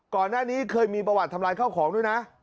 ก่อนหน้านี้เคยมีประวัติทำลายข้าวของด้วยนะ